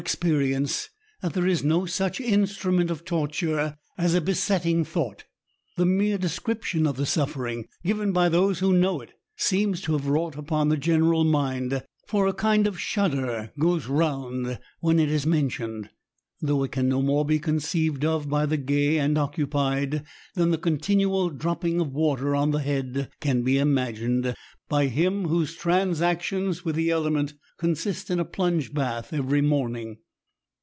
experience^ that there is no such instrument of '. torture as a besetting thought. The mere descrip tion of the sufferings given by those who know it, seems to have wrought upon the general mind^ for a kind of shudder goes round when it is mentioned^ though it can no more be conceived of ' by the gay and occupied^ than the continual dropping of water on the head can be imagined by him whose transactions with the element consist in a plunge bath every morning.